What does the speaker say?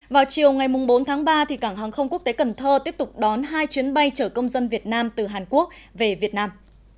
vào chiều ngày bốn tháng ba cảng hàng không quốc tế cần thơ tiếp tục đón hai chuyến bay chở công dân việt nam từ hàn quốc về việt nam